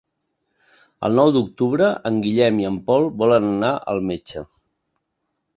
El nou d'octubre en Guillem i en Pol volen anar al metge.